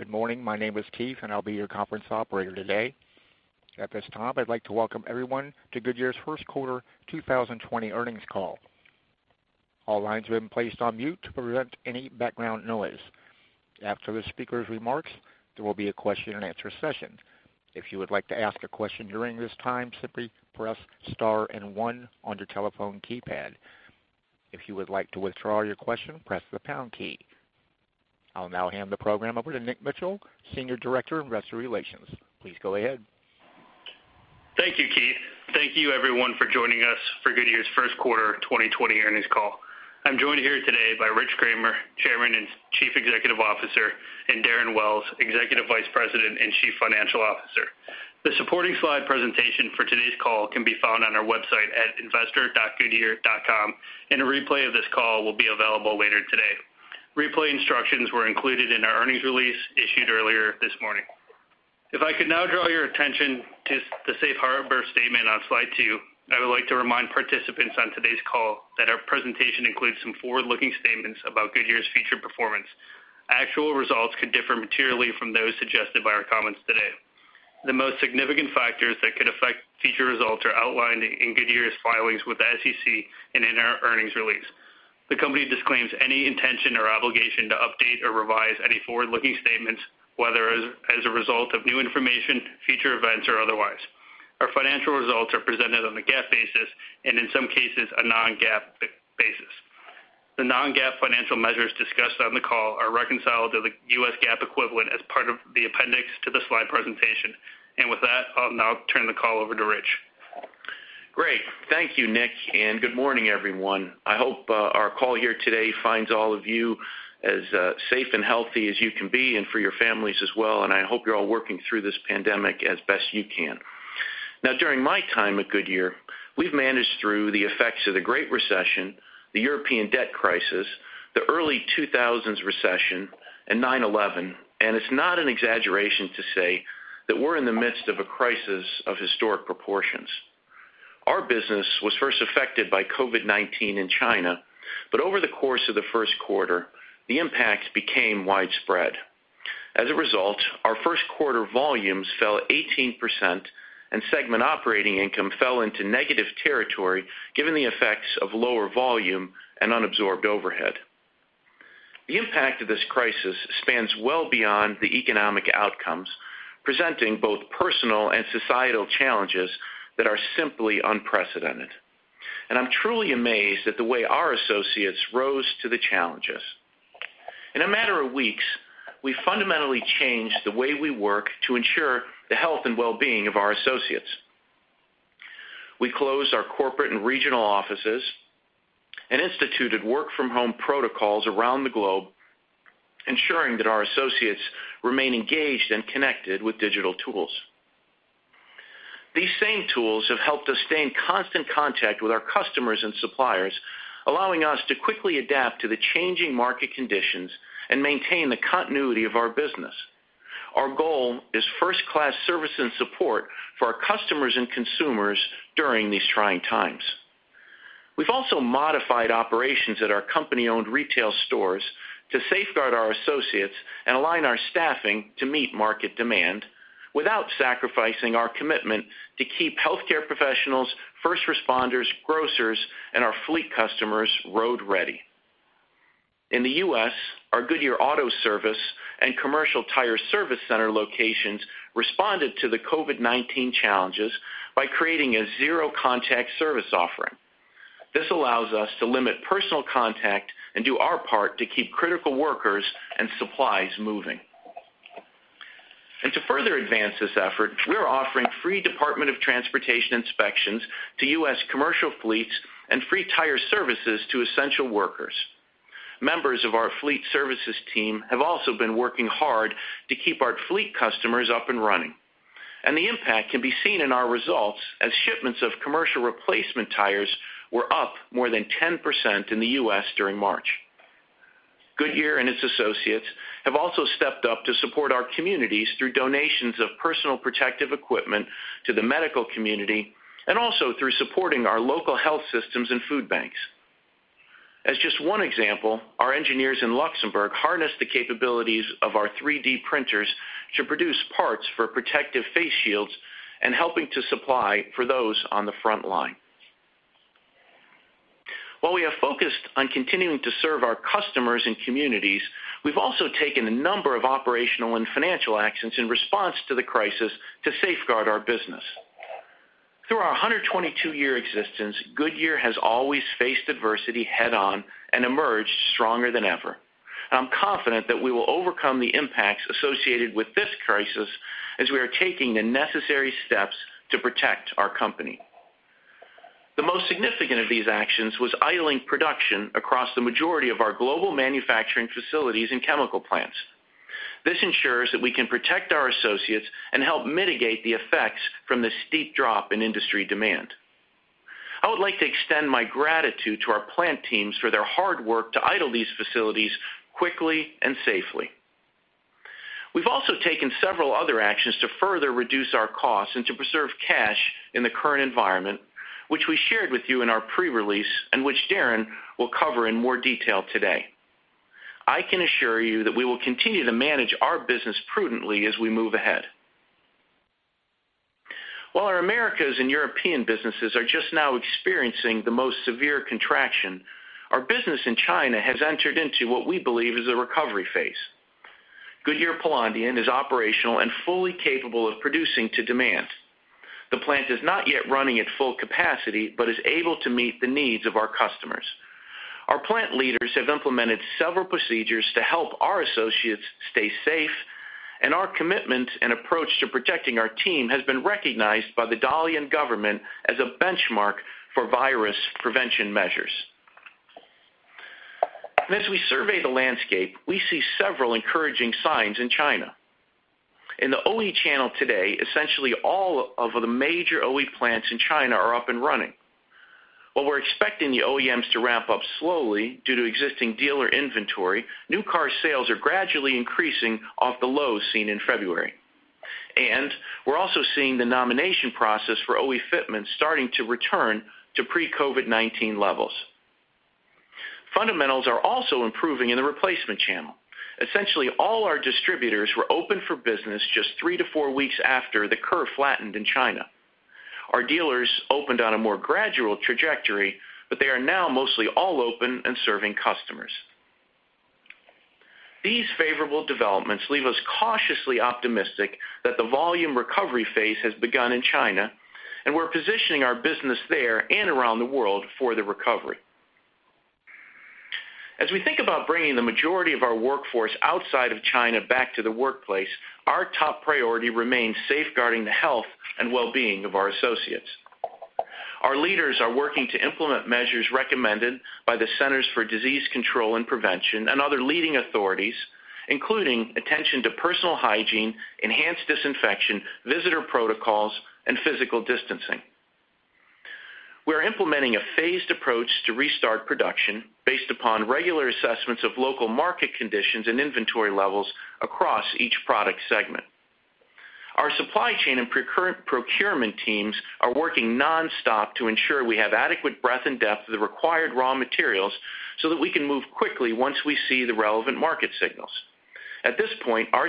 Good morning. My name is Keith, and I'll be your conference operator today. At this time, I'd like to welcome everyone to Goodyear's First Quarter 2020 Earnings Call. All lines have been placed on mute to prevent any background noise. After the speaker's remarks, there will be a question-and-answer session. If you would like to ask a question during this time, simply press star and one on your telephone keypad. If you would like to withdraw your question, press the pound key. I'll now hand the program over to Nick Mitchell, Senior Director of Investor Relations. Please go ahead. Thank you, Keith. Thank you, everyone, for joining us for Goodyear's First Quarter 2020 Earnings Call. I'm joined here today by Rich Kramer, Chairman and Chief Executive Officer, and Darren Wells, Executive Vice President and Chief Financial Officer. The supporting slide presentation for today's call can be found on our website at investor.goodyear.com, and a replay of this call will be available later today. Replay instructions were included in our earnings release issued earlier this morning. If I could now draw your attention to the safe harbor statement on slide two, I would like to remind participants on today's call that our presentation includes some forward-looking statements about Goodyear's future performance. Actual results could differ materially from those suggested by our comments today. The most significant factors that could affect future results are outlined in Goodyear's filings with the SEC and in our earnings release. The company disclaims any intention or obligation to update or revise any forward-looking statements, whether as a result of new information, future events, or otherwise. Our financial results are presented on a GAAP basis and, in some cases, a non-GAAP basis. The non-GAAP financial measures discussed on the call are reconciled to the U.S. GAAP equivalent as part of the appendix to the slide presentation. And with that, I'll now turn the call over to Rich. Great. Thank you, Nick, and good morning, everyone. I hope our call here today finds all of you as safe and healthy as you can be and for your families as well. And I hope you're all working through this pandemic as best you can. Now, during my time at Goodyear, we've managed through the effects of the Great Recession, the European Debt Crisis, the early 2000s recession, and 9/11. And it's not an exaggeration to say that we're in the midst of a crisis of historic proportions. Our business was first affected by COVID-19 in China, but over the course of the first quarter, the impact became widespread. As a result, our first quarter volumes fell 18%, and segment operating income fell into negative territory given the effects of lower volume and unabsorbed overhead. The impact of this crisis spans well beyond the economic outcomes, presenting both personal and societal challenges that are simply unprecedented. And I'm truly amazed at the way our associates rose to the challenges. In a matter of weeks, we fundamentally changed the way we work to ensure the health and well-being of our associates. We closed our corporate and regional offices and instituted work-from-home protocols around the globe, ensuring that our associates remain engaged and connected with digital tools. These same tools have helped us stay in constant contact with our customers and suppliers, allowing us to quickly adapt to the changing market conditions and maintain the continuity of our business. Our goal is first-class service and support for our customers and consumers during these trying times. We've also modified operations at our company-owned retail stores to safeguard our associates and align our staffing to meet market demand without sacrificing our commitment to keep healthcare professionals, first responders, grocers, and our fleet customers road-ready. In the U.S., our Goodyear Auto Service and Commercial Tire Service Center locations responded to the COVID-19 challenges by creating a zero-contact service offering. This allows us to limit personal contact and do our part to keep critical workers and supplies moving, and to further advance this effort, we're offering free Department of Transportation inspections to U.S. commercial fleets and free tire services to essential workers. Members of our fleet services team have also been working hard to keep our fleet customers up and running, and the impact can be seen in our results as shipments of commercial replacement tires were up more than 10% in the U.S. during March. Goodyear and its associates have also stepped up to support our communities through donations of personal protective equipment to the medical community and also through supporting our local health systems and food banks. As just one example, our engineers in Luxembourg harnessed the capabilities of our 3D printers to produce parts for protective face shields and helping to supply for those on the front line. While we have focused on continuing to serve our customers and communities, we've also taken a number of operational and financial actions in response to the crisis to safeguard our business. Through our 122-year existence, Goodyear has always faced adversity head-on and emerged stronger than ever, and I'm confident that we will overcome the impacts associated with this crisis as we are taking the necessary steps to protect our company. The most significant of these actions was idling production across the majority of our global manufacturing facilities and chemical plants. This ensures that we can protect our associates and help mitigate the effects from the steep drop in industry demand. I would like to extend my gratitude to our plant teams for their hard work to idle these facilities quickly and safely. We've also taken several other actions to further reduce our costs and to preserve cash in the current environment, which we shared with you in our pre-release and which Darren will cover in more detail today. I can assure you that we will continue to manage our business prudently as we move ahead. While our Americas and European businesses are just now experiencing the most severe contraction, our business in China has entered into what we believe is a recovery phase. Goodyear Pulandian is operational and fully capable of producing to demand. The plant is not yet running at full capacity but is able to meet the needs of our customers. Our plant leaders have implemented several procedures to help our associates stay safe, and our commitment and approach to protecting our team has been recognized by the Dalian government as a benchmark for virus prevention measures, and as we survey the landscape, we see several encouraging signs in China. In the OE channel today, essentially all of the major OE plants in China are up and running. While we're expecting the OEMs to ramp up slowly due to existing dealer inventory, new car sales are gradually increasing off the lows seen in February, and we're also seeing the nomination process for OE fitments starting to return to pre-COVID-19 levels. Fundamentals are also improving in the replacement channel. Essentially, all our distributors were open for business just three to four weeks after the curve flattened in China. Our dealers opened on a more gradual trajectory, but they are now mostly all open and serving customers. These favorable developments leave us cautiously optimistic that the volume recovery phase has begun in China, and we're positioning our business there and around the world for the recovery. As we think about bringing the majority of our workforce outside of China back to the workplace, our top priority remains safeguarding the health and well-being of our associates. Our leaders are working to implement measures recommended by the Centers for Disease Control and Prevention and other leading authorities, including attention to personal hygiene, enhanced disinfection, visitor protocols, and physical distancing. We are implementing a phased approach to restart production based upon regular assessments of local market conditions and inventory levels across each product segment. Our supply chain and procurement teams are working nonstop to ensure we have adequate breadth and depth of the required raw materials so that we can move quickly once we see the relevant market signals. At this point, our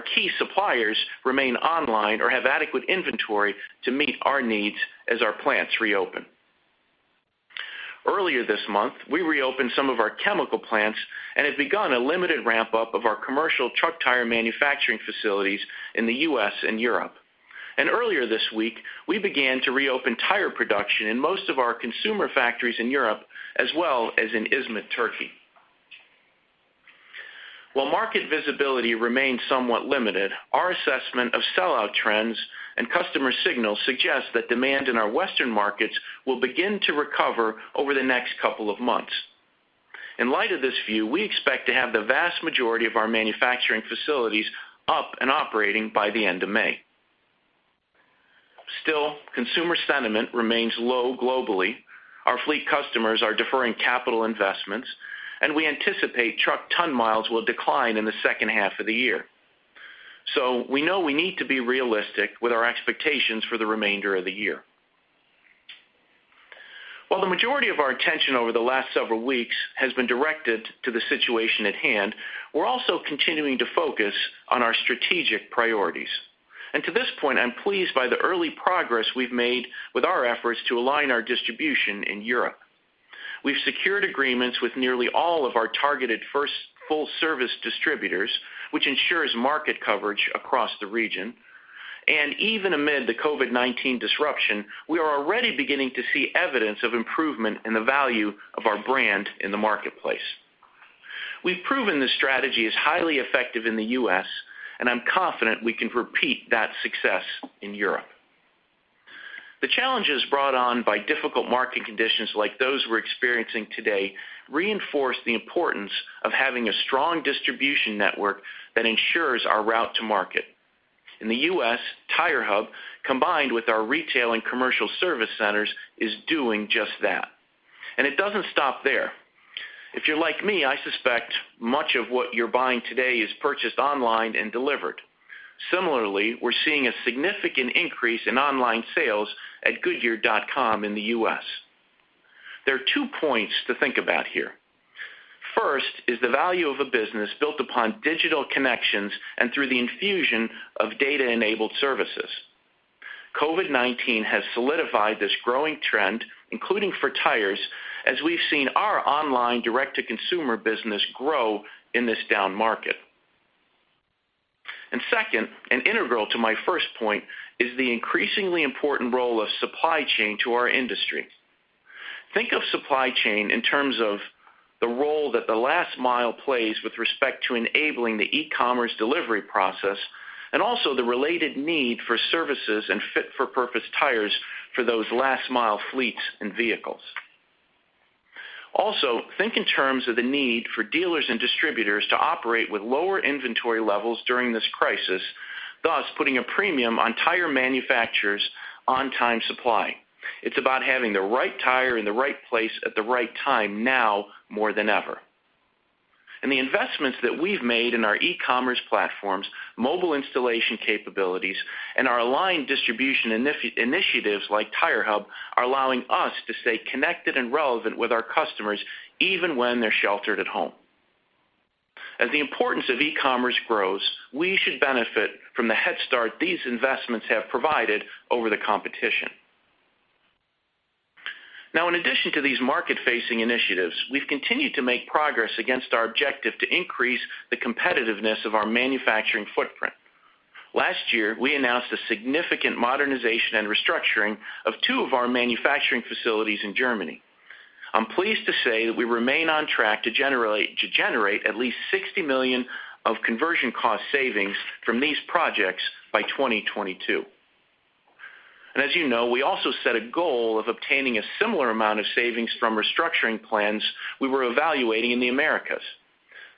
key suppliers remain online or have adequate inventory to meet our needs as our plants reopen. Earlier this month, we reopened some of our chemical plants and have begun a limited ramp-up of our commercial truck tire manufacturing facilities in the U.S. and Europe and earlier this week, we began to reopen tire production in most of our consumer factories in Europe as well as in Izmir, Turkey. While market visibility remains somewhat limited, our assessment of sellout trends and customer signals suggests that demand in our Western markets will begin to recover over the next couple of months. In light of this view, we expect to have the vast majority of our manufacturing facilities up and operating by the end of May. Still, consumer sentiment remains low globally. Our fleet customers are deferring capital investments, and we anticipate truck ton miles will decline in the second half of the year. So we know we need to be realistic with our expectations for the remainder of the year. While the majority of our attention over the last several weeks has been directed to the situation at hand, we're also continuing to focus on our strategic priorities, and to this point, I'm pleased by the early progress we've made with our efforts to align our distribution in Europe. We've secured agreements with nearly all of our targeted first full-service distributors, which ensures market coverage across the region. And even amid the COVID-19 disruption, we are already beginning to see evidence of improvement in the value of our brand in the marketplace. We've proven this strategy is highly effective in the U.S., and I'm confident we can repeat that success in Europe. The challenges brought on by difficult market conditions like those we're experiencing today reinforce the importance of having a strong distribution network that ensures our route to market. In the U.S., TireHub, combined with our retail and commercial service centers, is doing just that. And it doesn't stop there. If you're like me, I suspect much of what you're buying today is purchased online and delivered. Similarly, we're seeing a significant increase in online sales at goodyear.com in the U.S. There are two points to think about here. First is the value of a business built upon digital connections and through the infusion of data-enabled services. COVID-19 has solidified this growing trend, including for tires, as we've seen our online direct-to-consumer business grow in this down market. And second, and integral to my first point is the increasingly important role of supply chain to our industry. Think of supply chain in terms of the role that the last mile plays with respect to enabling the e-commerce delivery process and also the related need for services and fit-for-purpose tires for those last-mile fleets and vehicles. Also, think in terms of the need for dealers and distributors to operate with lower inventory levels during this crisis, thus putting a premium on tire manufacturers' on-time supply. It's about having the right tire in the right place at the right time now more than ever. And the investments that we've made in our e-commerce platforms, mobile installation capabilities, and our aligned distribution initiatives like TireHub are allowing us to stay connected and relevant with our customers even when they're sheltered at home. As the importance of e-commerce grows, we should benefit from the head start these investments have provided over the competition. Now, in addition to these market-facing initiatives, we've continued to make progress against our objective to increase the competitiveness of our manufacturing footprint. Last year, we announced a significant modernization and restructuring of two of our manufacturing facilities in Germany. I'm pleased to say that we remain on track to generate at least $60 million of conversion cost savings from these projects by 2022. As you know, we also set a goal of obtaining a similar amount of savings from restructuring plans we were evaluating in the Americas.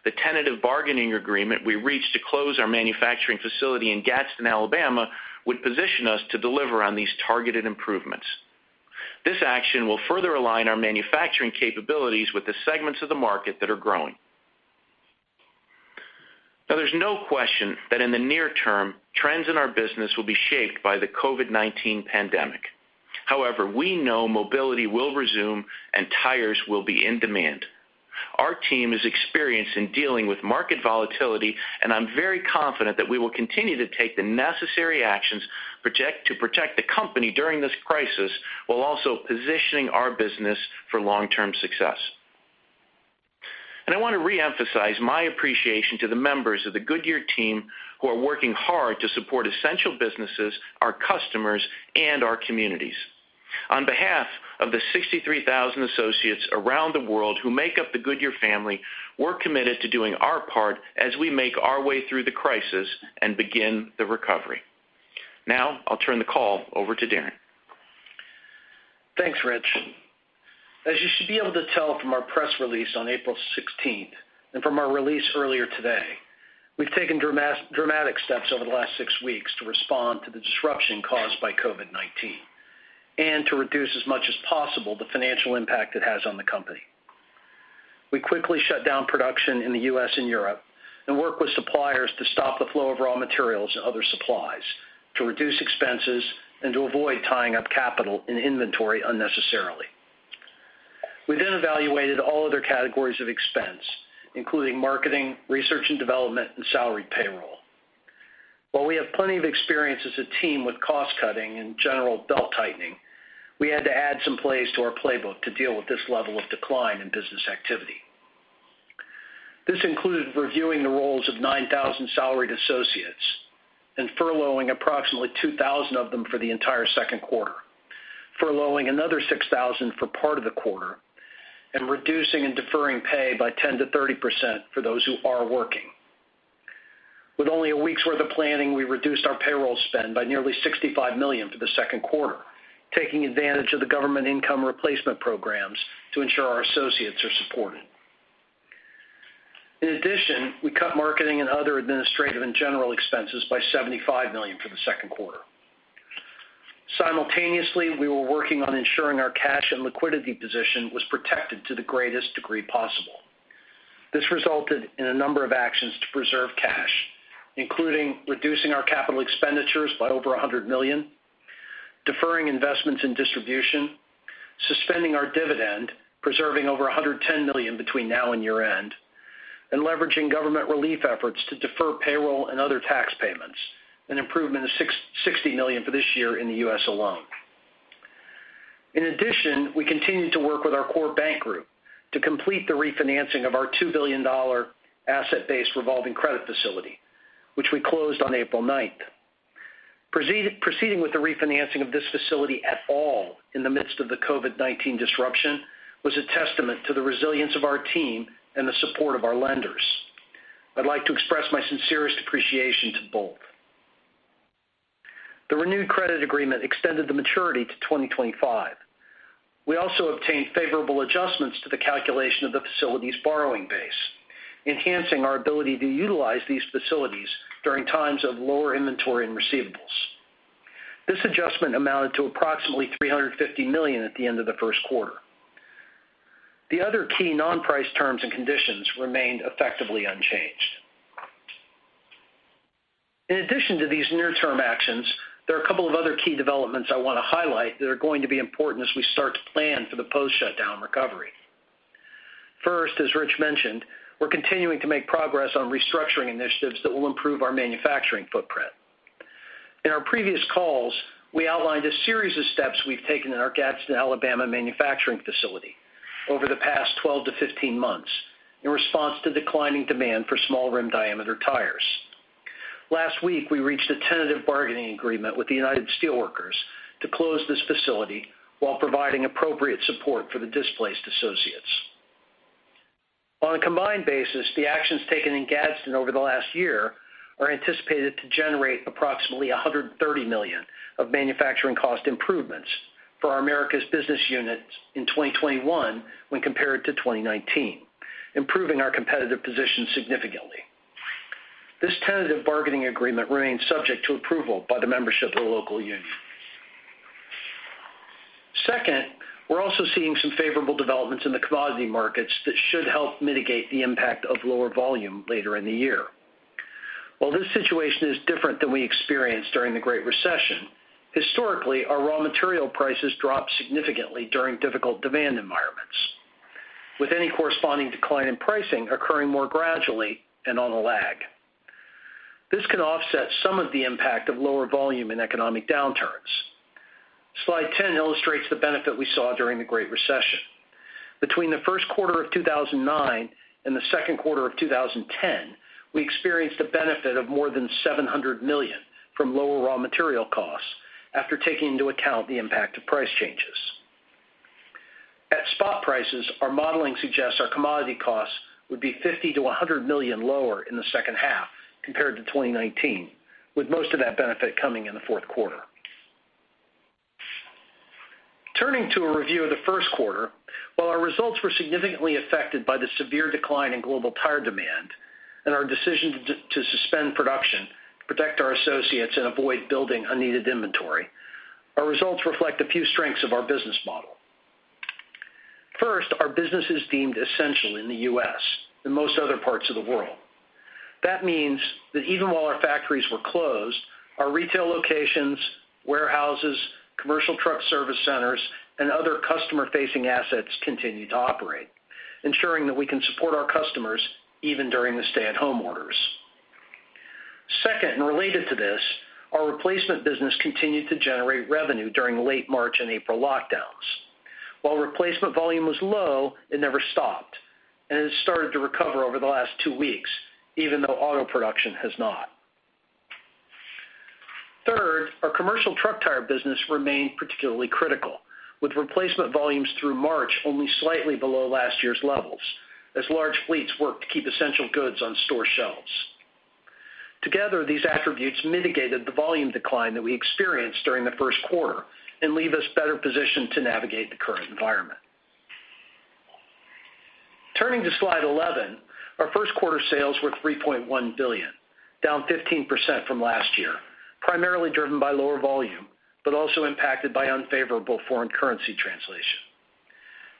The tentative bargaining agreement we reached to close our manufacturing facility in Gadsden, Alabama, would position us to deliver on these targeted improvements. This action will further align our manufacturing capabilities with the segments of the market that are growing. Now, there's no question that in the near term, trends in our business will be shaped by the COVID-19 pandemic. However, we know mobility will resume and tires will be in demand. Our team is experienced in dealing with market volatility, and I'm very confident that we will continue to take the necessary actions to protect the company during this crisis while also positioning our business for long-term success. I want to re-emphasize my appreciation to the members of the Goodyear team who are working hard to support essential businesses, our customers, and our communities. On behalf of the 63,000 associates around the world who make up the Goodyear family, we're committed to doing our part as we make our way through the crisis and begin the recovery. Now, I'll turn the call over to Darren. Thanks, Rich. As you should be able to tell from our press release on April 16th and from our release earlier today, we've taken dramatic steps over the last six weeks to respond to the disruption caused by COVID-19 and to reduce as much as possible the financial impact it has on the company. We quickly shut down production in the U.S. and Europe and worked with suppliers to stop the flow of raw materials and other supplies to reduce expenses and to avoid tying up capital and inventory unnecessarily. We then evaluated all other categories of expense, including marketing, research and development, and salary payroll. While we have plenty of experience as a team with cost-cutting and general belt-tightening, we had to add some plays to our playbook to deal with this level of decline in business activity. This included reviewing the roles of 9,000 salaried associates and furloughing approximately 2,000 of them for the entire second quarter, furloughing another 6,000 for part of the quarter, and reducing and deferring pay by 10%-30% for those who are working. With only a week's worth of planning, we reduced our payroll spend by nearly $65 million for the second quarter, taking advantage of the government income replacement programs to ensure our associates are supported. In addition, we cut marketing and other administrative and general expenses by $75 million for the second quarter. Simultaneously, we were working on ensuring our cash and liquidity position was protected to the greatest degree possible. This resulted in a number of actions to preserve cash, including reducing our capital expenditures by over $100 million, deferring investments in distribution, suspending our dividend, preserving over $110 million between now and year-end, and leveraging government relief efforts to defer payroll and other tax payments, an improvement of $60 million for this year in the U.S. alone. In addition, we continued to work with our core bank group to complete the refinancing of our $2 billion asset-based revolving credit facility, which we closed on April 9th. Proceeding with the refinancing of this facility at all in the midst of the COVID-19 disruption was a testament to the resilience of our team and the support of our lenders. I'd like to express my sincerest appreciation to both. The renewed credit agreement extended the maturity to 2025. We also obtained favorable adjustments to the calculation of the facility's borrowing base, enhancing our ability to utilize these facilities during times of lower inventory and receivables. This adjustment amounted to approximately $350 million at the end of the first quarter. The other key non-price terms and conditions remained effectively unchanged. In addition to these near-term actions, there are a couple of other key developments I want to highlight that are going to be important as we start to plan for the post-shutdown recovery. First, as Rich mentioned, we're continuing to make progress on restructuring initiatives that will improve our manufacturing footprint. In our previous calls, we outlined a series of steps we've taken in our Gadsden, Alabama manufacturing facility over the past 12-15 months in response to declining demand for small rim diameter tires. Last week, we reached a tentative bargaining agreement with the United Steelworkers to close this facility while providing appropriate support for the displaced associates. On a combined basis, the actions taken in Gadsden over the last year are anticipated to generate approximately $130 million of manufacturing cost improvements for our Americas business unit in 2021 when compared to 2019, improving our competitive position significantly. This tentative bargaining agreement remains subject to approval by the membership of the local union. Second, we're also seeing some favorable developments in the commodity markets that should help mitigate the impact of lower volume later in the year. While this situation is different than we experienced during the Great Recession, historically, our raw material prices dropped significantly during difficult demand environments, with any corresponding decline in pricing occurring more gradually and on a lag. This can offset some of the impact of lower volume and economic downturns. Slide 10 illustrates the benefit we saw during the Great Recession. Between the first quarter of 2009 and the second quarter of 2010, we experienced a benefit of more than $700 million from lower raw material costs after taking into account the impact of price changes. At spot prices, our modeling suggests our commodity costs would be $50 million-$100 million lower in the second half compared to 2019, with most of that benefit coming in the fourth quarter. Turning to a review of the first quarter, while our results were significantly affected by the severe decline in global tire demand and our decision to suspend production to protect our associates and avoid building unneeded inventory, our results reflect a few strengths of our business model. First, our business is deemed essential in the U.S. and most other parts of the world. That means that even while our factories were closed, our retail locations, warehouses, commercial truck service centers, and other customer-facing assets continue to operate, ensuring that we can support our customers even during the stay-at-home orders. Second, and related to this, our replacement business continued to generate revenue during late March and April lockdowns. While replacement volume was low, it never stopped and has started to recover over the last two weeks, even though auto production has not. Third, our commercial truck tire business remained particularly critical, with replacement volumes through March only slightly below last year's levels as large fleets worked to keep essential goods on store shelves. Together, these attributes mitigated the volume decline that we experienced during the first quarter and leave us better positioned to navigate the current environment. Turning to slide 11, our first quarter sales were $3.1 billion, down 15% from last year, primarily driven by lower volume but also impacted by unfavorable foreign currency translation.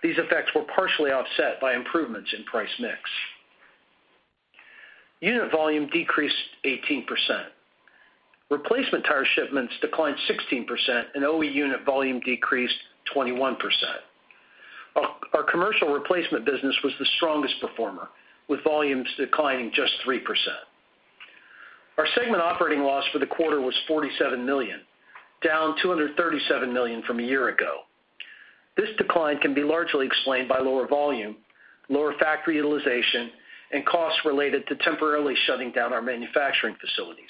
These effects were partially offset by improvements in price mix. Unit volume decreased 18%. Replacement tire shipments declined 16%, and OE unit volume decreased 21%. Our commercial replacement business was the strongest performer, with volumes declining just 3%. Our segment operating loss for the quarter was $47 million, down $237 million from a year ago. This decline can be largely explained by lower volume, lower factory utilization, and costs related to temporarily shutting down our manufacturing facilities.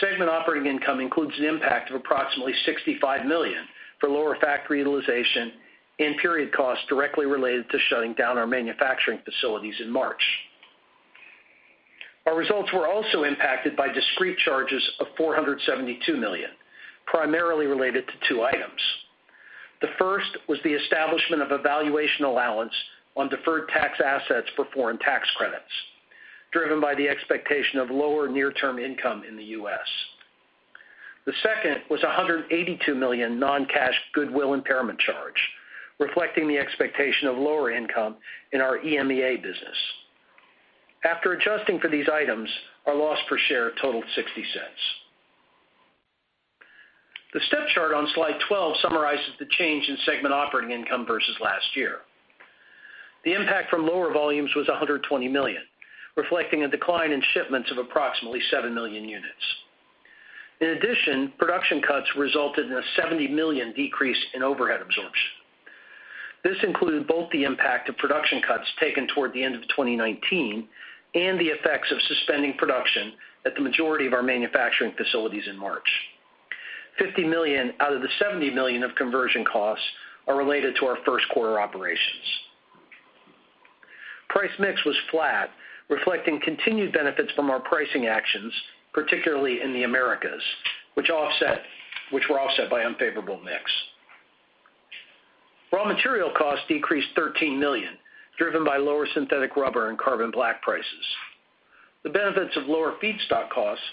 Segment operating income includes an impact of approximately $65 million for lower factory utilization and period costs directly related to shutting down our manufacturing facilities in March. Our results were also impacted by discrete charges of $472 million, primarily related to two items. The first was the establishment of a valuation allowance on deferred tax assets for foreign tax credits, driven by the expectation of lower near-term income in the U.S. The second was $182 million non-cash goodwill impairment charge, reflecting the expectation of lower income in our EMEA business. After adjusting for these items, our loss per share totaled $0.60. The step chart on slide 12 summarizes the change in segment operating income versus last year. The impact from lower volumes was $120 million, reflecting a decline in shipments of approximately 7 million units. In addition, production cuts resulted in a $70 million decrease in overhead absorption. This included both the impact of production cuts taken toward the end of 2019 and the effects of suspending production at the majority of our manufacturing facilities in March. $50 million out of the $70 million of conversion costs are related to our first quarter operations. Price mix was flat, reflecting continued benefits from our pricing actions, particularly in the Americas, which were offset by unfavorable mix. Raw material costs decreased $13 million, driven by lower synthetic rubber and carbon black prices. The benefits of lower feedstock costs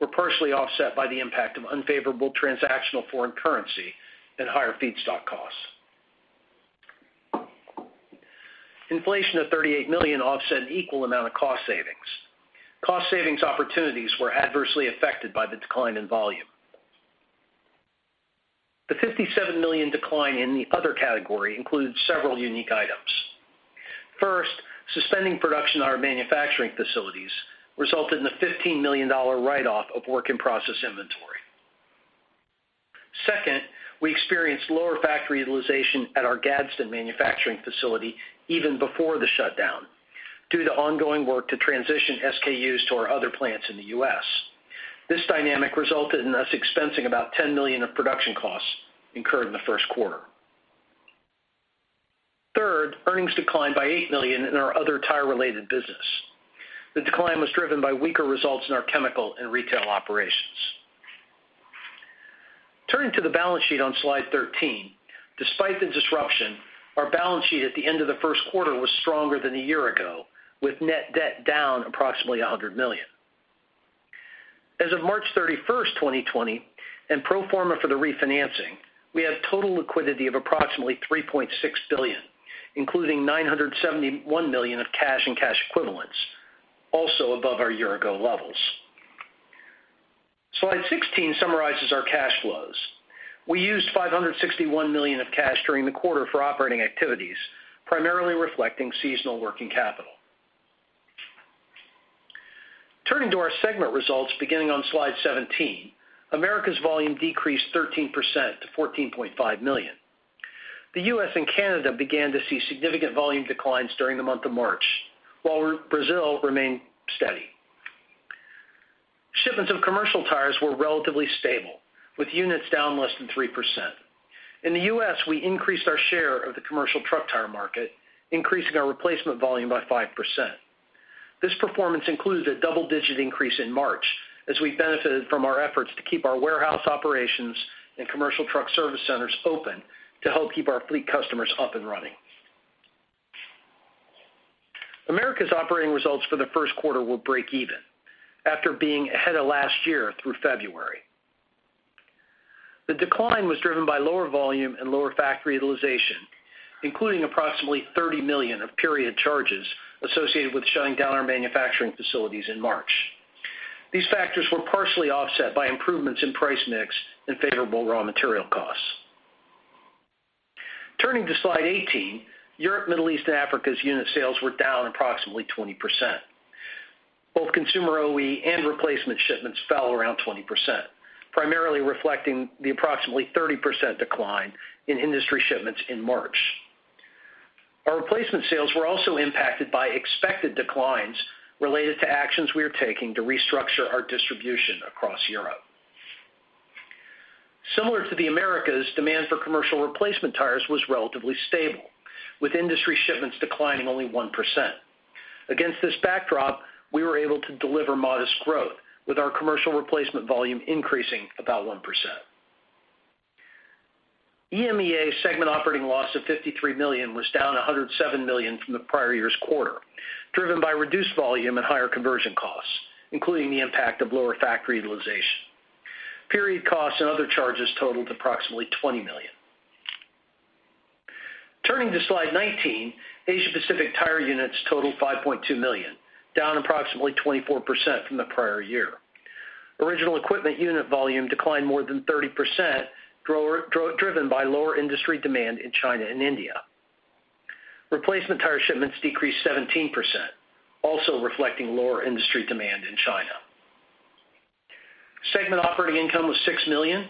were partially offset by the impact of unfavorable transactional foreign currency and higher feedstock costs. Inflation of $38 million offset an equal amount of cost savings. Cost savings opportunities were adversely affected by the decline in volume. The $57 million decline in the other category includes several unique items. First, suspending production at our manufacturing facilities resulted in a $15 million write-off of work-in-process inventory. Second, we experienced lower factory utilization at our Gadsden manufacturing facility even before the shutdown due to ongoing work to transition SKUs to our other plants in the U.S. This dynamic resulted in us expensing about $10 million of production costs incurred in the first quarter. Third, earnings declined by $8 million in our other tire-related business. The decline was driven by weaker results in our chemical and retail operations. Turning to the balance sheet on slide 13, despite the disruption, our balance sheet at the end of the first quarter was stronger than a year ago, with net debt down approximately $100 million. As of March 31st, 2020, and pro forma for the refinancing, we have total liquidity of approximately $3.6 billion, including $971 million of cash and cash equivalents, also above our year-ago levels. Slide 16 summarizes our cash flows. We used $561 million of cash during the quarter for operating activities, primarily reflecting seasonal working capital. Turning to our segment results beginning on slide 17, Americas volume decreased 13% to 14.5 million. The U.S. and Canada began to see significant volume declines during the month of March, while Brazil remained steady. Shipments of commercial tires were relatively stable, with units down less than 3%. In the U.S., we increased our share of the commercial truck tire market, increasing our replacement volume by 5%. This performance included a double-digit increase in March as we benefited from our efforts to keep our warehouse operations and commercial truck service centers open to help keep our fleet customers up and running. Americas' operating results for the first quarter were break-even after being ahead of last year through February. The decline was driven by lower volume and lower factory utilization, including approximately $30 million of period charges associated with shutting down our manufacturing facilities in March. These factors were partially offset by improvements in price mix and favorable raw material costs. Turning to slide 18, Europe, Middle East, and Africa's unit sales were down approximately 20%. Both consumer OE and replacement shipments fell around 20%, primarily reflecting the approximately 30% decline in industry shipments in March. Our replacement sales were also impacted by expected declines related to actions we are taking to restructure our distribution across Europe. Similar to the Americas, demand for commercial replacement tires was relatively stable, with industry shipments declining only 1%. Against this backdrop, we were able to deliver modest growth, with our commercial replacement volume increasing about 1%. EMEA segment operating loss of $53 million was down $107 million from the prior year's quarter, driven by reduced volume and higher conversion costs, including the impact of lower factory utilization. Period costs and other charges totaled approximately $20 million. Turning to slide 19, Asia-Pacific tire units totaled $5.2 million, down approximately 24% from the prior year. Original equipment unit volume declined more than 30%, driven by lower industry demand in China and India. Replacement tire shipments decreased 17%, also reflecting lower industry demand in China. Segment operating income was $6 million,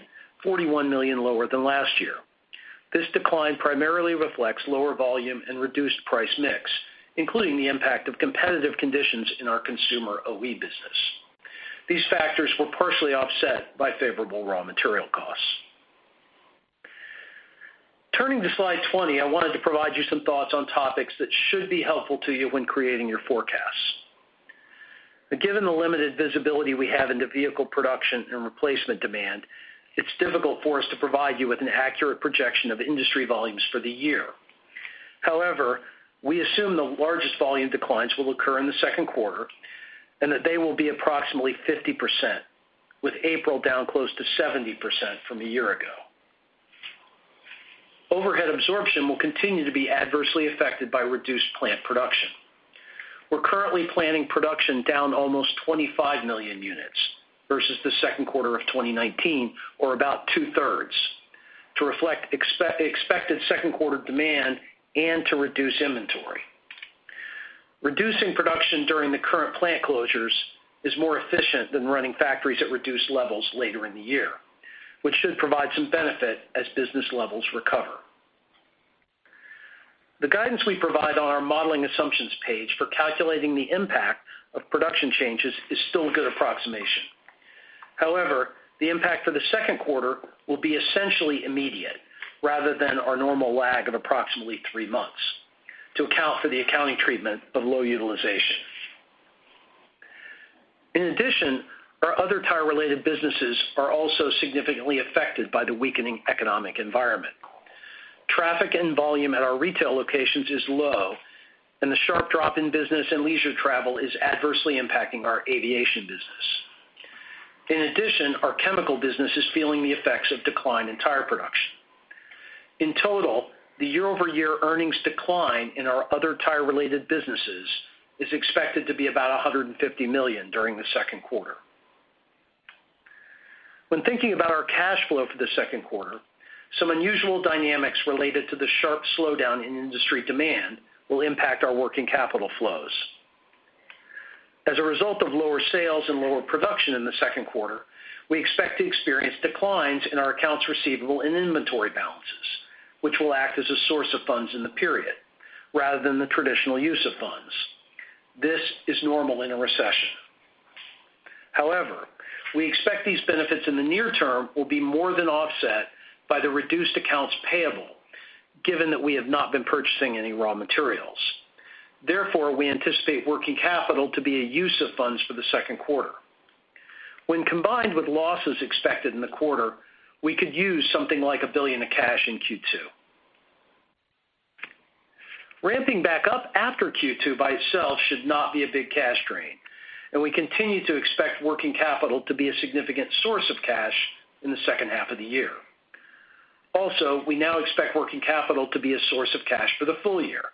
$41 million lower than last year. This decline primarily reflects lower volume and reduced price mix, including the impact of competitive conditions in our consumer OE business. These factors were partially offset by favorable raw material costs. Turning to slide 20, I wanted to provide you some thoughts on topics that should be helpful to you when creating your forecasts. Given the limited visibility we have into vehicle production and replacement demand, it's difficult for us to provide you with an accurate projection of industry volumes for the year. However, we assume the largest volume declines will occur in the second quarter and that they will be approximately 50%, with April down close to 70% from a year ago. Overhead absorption will continue to be adversely affected by reduced plant production. We're currently planning production down almost 25 million units versus the second quarter of 2019, or about two-thirds, to reflect expected second-quarter demand and to reduce inventory. Reducing production during the current plant closures is more efficient than running factories at reduced levels later in the year, which should provide some benefit as business levels recover. The guidance we provide on our modeling assumptions page for calculating the impact of production changes is still a good approximation. However, the impact for the second quarter will be essentially immediate rather than our normal lag of approximately three months to account for the accounting treatment of low utilization. In addition, our other tire-related businesses are also significantly affected by the weakening economic environment. Traffic and volume at our retail locations is low, and the sharp drop in business and leisure travel is adversely impacting our aviation business. In addition, our chemical business is feeling the effects of decline in tire production. In total, the year-over-year earnings decline in our other tire-related businesses is expected to be about $150 million during the second quarter. When thinking about our cash flow for the second quarter, some unusual dynamics related to the sharp slowdown in industry demand will impact our working capital flows. As a result of lower sales and lower production in the second quarter, we expect to experience declines in our accounts receivable and inventory balances, which will act as a source of funds in the period rather than the traditional use of funds. This is normal in a recession. However, we expect these benefits in the near term will be more than offset by the reduced accounts payable, given that we have not been purchasing any raw materials. Therefore, we anticipate working capital to be a use of funds for the second quarter. When combined with losses expected in the quarter, we could use something like $1 billion of cash in Q2. Ramping back up after Q2 by itself should not be a big cash drain, and we continue to expect working capital to be a significant source of cash in the second half of the year. Also, we now expect working capital to be a source of cash for the full year,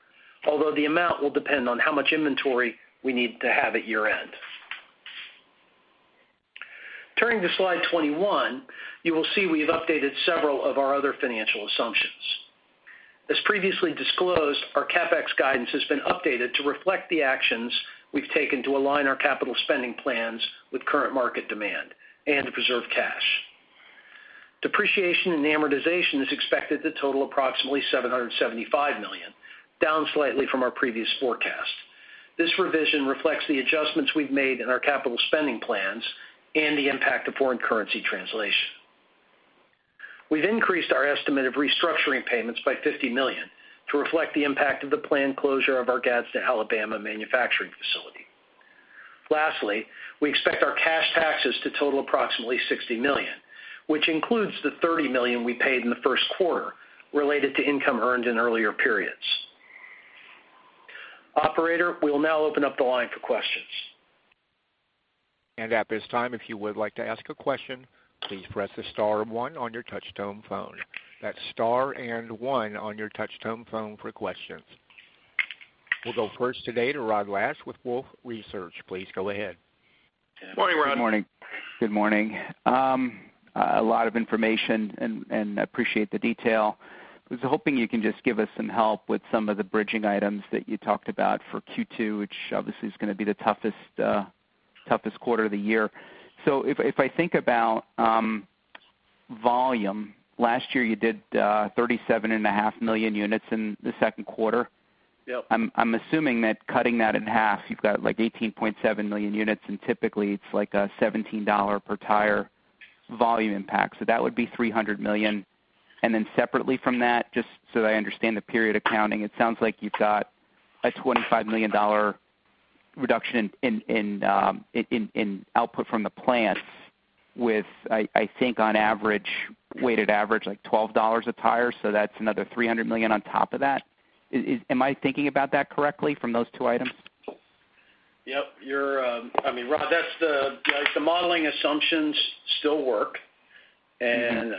although the amount will depend on how much inventory we need to have at year-end. Turning to slide 21, you will see we have updated several of our other financial assumptions. As previously disclosed, our CapEx guidance has been updated to reflect the actions we've taken to align our capital spending plans with current market demand and to preserve cash. Depreciation and amortization is expected to total approximately $775 million, down slightly from our previous forecast. This revision reflects the adjustments we've made in our capital spending plans and the impact of foreign currency translation. We've increased our estimate of restructuring payments by $50 million to reflect the impact of the planned closure of our Gadsden, Alabama manufacturing facility. Lastly, we expect our cash taxes to total approximately $60 million, which includes the $30 million we paid in the first quarter related to income earned in earlier periods. Operator, we will now open up the line for questions. And at this time, if you would like to ask a question, please press the star one on your touch-tone phone. That's star and one on your touch-tone phone for questions. We'll go first today to Rod Lache with Wolfe Research. Please go ahead. Good morning, Rod. Good morning. Good morning. A lot of information, and I appreciate the detail. I was hoping you can just give us some help with some of the bridging items that you talked about for Q2, which obviously is going to be the toughest quarter of the year. So if I think about volume, last year you did 37.5 million units in the second quarter. I'm assuming that cutting that in half, you've got like 18.7 million units, and typically it's like a $17 per tire volume impact. So that would be $300 million. And then separately from that, just so I understand the period accounting, it sounds like you've got a $25 million reduction in output from the plants with, I think, on average, weighted average like $12 a tire. So that's another $300 million on top of that. Am I thinking about that correctly from those two items? Yep. I mean, Rod, that's the modeling assumptions still work. And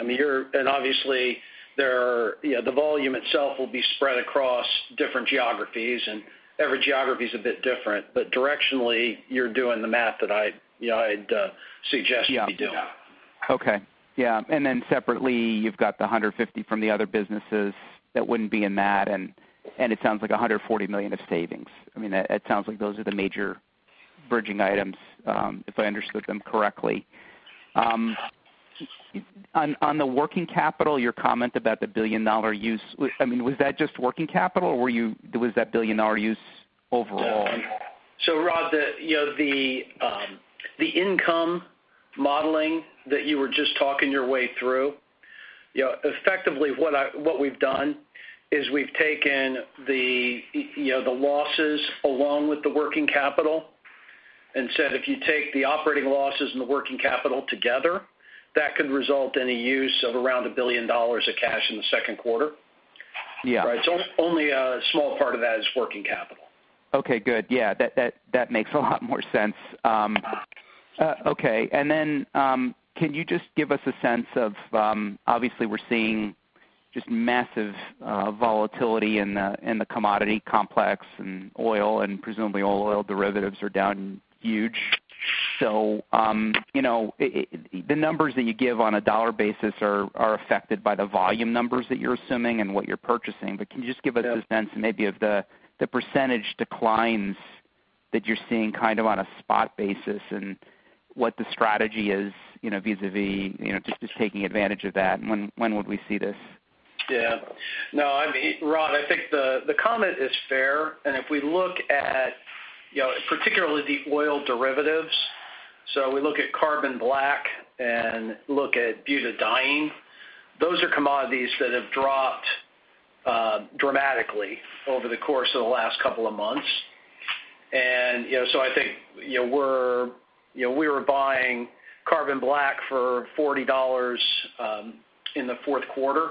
obviously, the volume itself will be spread across different geographies, and every geography is a bit different. But directionally, you're doing the math that I'd suggest you be doing. Yeah. Okay. Yeah. And then separately, you've got the $150 million from the other businesses that wouldn't be in that, and it sounds like $140 million of savings. I mean, it sounds like those are the major bridging items, if I understood them correctly. On the working capital, your comment about the $1 billion use, I mean, was that just working capital, or was that $1 billion use overall? So Rod, the income modeling that you were just talking your way through, effectively what we've done is we've taken the losses along with the working capital and said, "If you take the operating losses and the working capital together, that could result in a use of around $1 billion of cash in the second quarter." Right? So only a small part of that is working capital. Okay. Good. Yeah. That makes a lot more sense. Okay. And then can you just give us a sense of, obviously, we're seeing just massive volatility in the commodity complex and oil, and presumably all oil derivatives are down huge. So the numbers that you give on a dollar basis are affected by the volume numbers that you're assuming and what you're purchasing. But can you just give us a sense maybe of the percentage declines that you're seeing kind of on a spot basis and what the strategy is vis-à-vis just taking advantage of that? And when would we see this? Yeah. No, Rod, I think the comment is fair. And if we look at particularly the oil derivatives, so we look at carbon black and look at butadiene, those are commodities that have dropped dramatically over the course of the last couple of months. And so I think we were buying carbon black for $40 in the fourth quarter,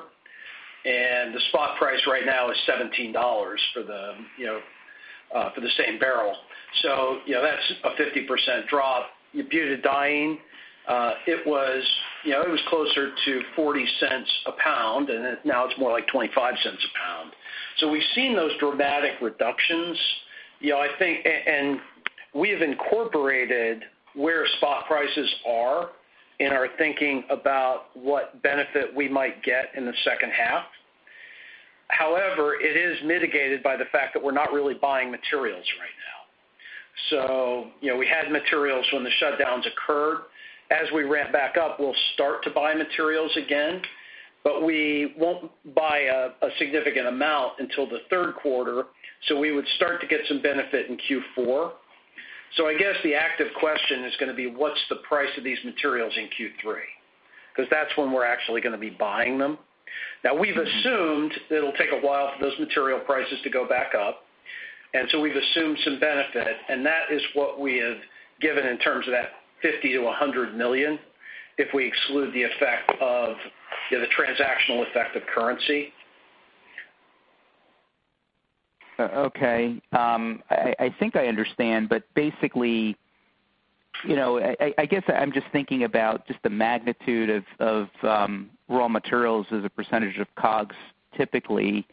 and the spot price right now is $17 for the same barrel. So that's a 50% drop. Butadiene, it was closer to $0.40 a pound, and now it's more like $0.25 a pound. So we've seen those dramatic reductions, I think, and we have incorporated where spot prices are in our thinking about what benefit we might get in the second half. However, it is mitigated by the fact that we're not really buying materials right now. So we had materials when the shutdowns occurred. As we ramp back up, we'll start to buy materials again, but we won't buy a significant amount until the third quarter. So we would start to get some benefit in Q4. So I guess the active question is going to be, "What's the price of these materials in Q3?" Because that's when we're actually going to be buying them. Now, we've assumed it'll take a while for those material prices to go back up, and so we've assumed some benefit, and that is what we have given in terms of that $50 million-$100 million if we exclude the effect of the transactional effect of currency. Okay. I think I understand, but basically, I guess I'm just thinking about just the magnitude of raw materials as a percentage of COGS typically,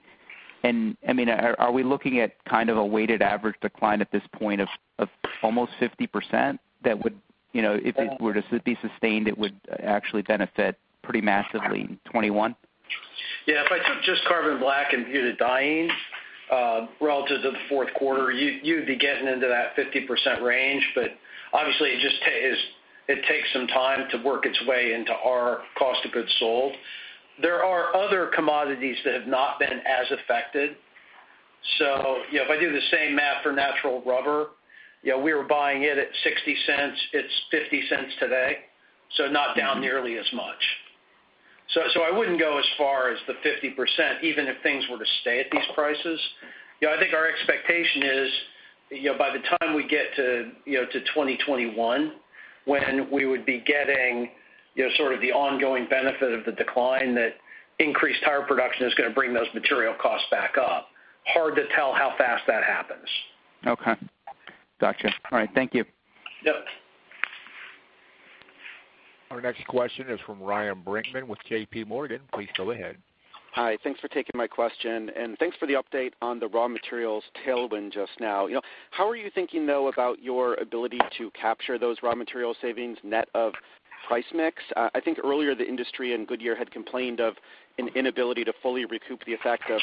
and I mean, are we looking at kind of a weighted average decline at this point of almost 50% that would, if it were to be sustained, it would actually benefit pretty massively in 2021? Yeah. If I took just carbon black and butadiene relative to the fourth quarter, you'd be getting into that 50% range, but obviously, it takes some time to work its way into our cost of goods sold. There are other commodities that have not been as affected. So if I do the same math for natural rubber, we were buying it at $0.60. It's $0.50 today, so not down nearly as much. So I wouldn't go as far as the 50% even if things were to stay at these prices. I think our expectation is by the time we get to 2021, when we would be getting sort of the ongoing benefit of the decline that increased tire production is going to bring those material costs back up. Hard to tell how fast that happens. Okay. Gotcha. All right. Thank you. Yep. Our next question is from Ryan Brinkman with J.P. Morgan. Please go ahead. Hi. Thanks for taking my question, and thanks for the update on the raw materials tailwind just now. How are you thinking, though, about your ability to capture those raw material savings net of price mix? I think earlier the industry and Goodyear had complained of an inability to fully recoup the effect of